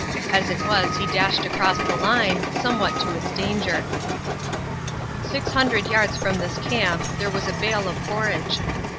As it was he dashed across the line, somewhat to its danger. Six hundred yards from this camp there was a bale of forage.